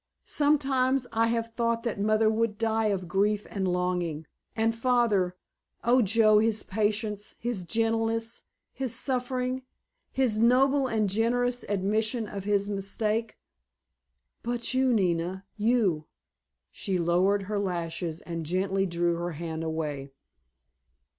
Sometimes I have thought that Mother would die of grief and longing. And Father—oh, Joe, his patience, his gentleness, his suffering, his noble and generous admission of his mistake——" "But you, Nina, you——" She lowered her lashes and gently drew her hand away.